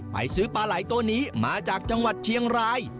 ซื้อปลาไหล่ตัวนี้มาจากจังหวัดเชียงราย